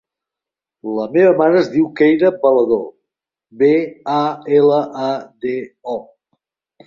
La meva mare es diu Keira Balado: be, a, ela, a, de, o.